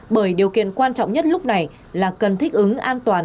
bởi điều kiện quan trọng nhất lúc này là cần thích ứng an toàn